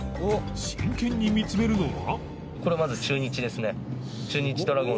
真剣に見つめるのは